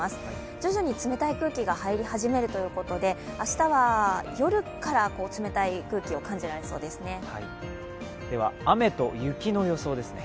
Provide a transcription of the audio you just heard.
徐々に冷たい空気が入り始めるということで明日は夜から冷たい空気を感じられそうですね。